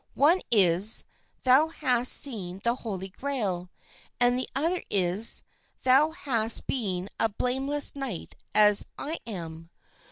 One is, thou hast seen the Holy Grail; and the other is, thou hast been a blameless knight as I am."